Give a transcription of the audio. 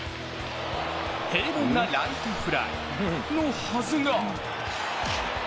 平凡なライトフライのはずが。